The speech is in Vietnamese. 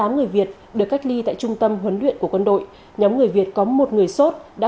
tám người việt được cách ly tại trung tâm huấn luyện của quân đội nhóm người việt có một người sốt đã